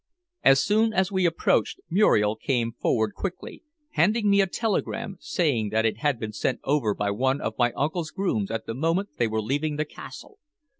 As soon as we approached Muriel came forward quickly, handing me a telegram, saying that it had been sent over by one of my uncle's grooms at the moment they were leaving the castle.